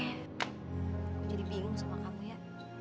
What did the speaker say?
aku jadi bingung sama kamu ya